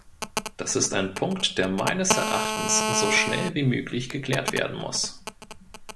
Das ist ein Punkt, der meines Erachtens so schnell wie möglich geklärt werden muss.